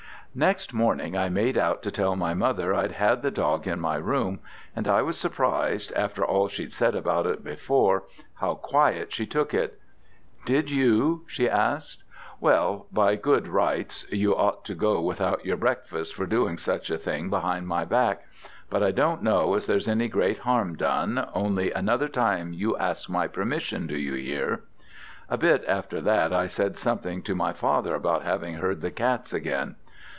"Next morning I made out to tell my mother I'd had the dog in my room, and I was surprised, after all she'd said about it before, how quiet she took it. 'Did you?' she says. 'Well, by good rights you ought to go without your breakfast for doing such a thing behind my back: but I don't know as there's any great harm done, only another time you ask my permission, do you hear?' A bit after that I said something to my father about having heard the cats again.